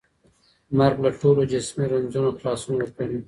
مرګ له ټولو جسمي رنځونو خلاصون ورکوي.